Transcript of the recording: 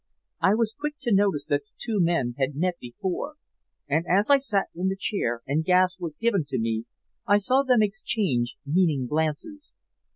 I was quick to notice that the two men had met before, and as I sat in the chair and gas was given to me I saw them exchange meaning glances.